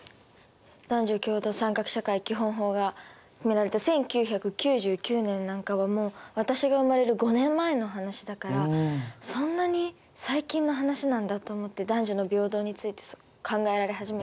男女共同参画社会基本法が決められた１９９９年なんかはもう私が生まれる５年前の話だからそんなに最近の話なんだと思って男女の平等について考えられ始めたのが。